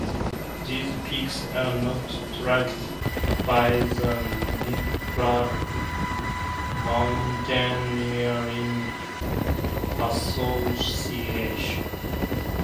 These peaks are not tracked by the Nepal Mountaineering Association.